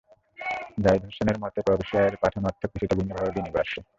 জাহিদ হোসেনের মতে, প্রবাসী আয়ের পাঠানো অর্থ কিছুটা ভিন্নভাবে বিনিয়োগে আসে।